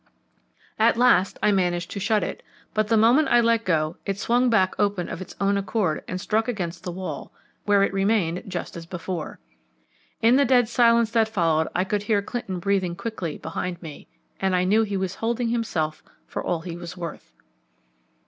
At last I managed to shut it, but the moment I let go it swung back open of its own accord and struck against the wall, where it remained just as before. In the dead silence that followed I could hear Clinton breathing quickly behind me, and I knew he was holding himself for all he was worth.